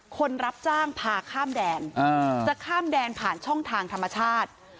คนรับจ้างพาข้ามแดนจะข้ามแดนผ่านช่องทางธรรมชาติ